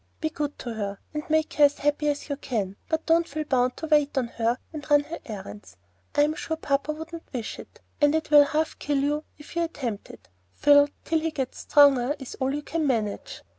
"Be good to her, and make her as happy as you can, but don't feel bound to wait on her, and run her errands. I am sure papa would not wish it; and it will half kill you if you attempt it. Phil, till he gets stronger, is all you can manage.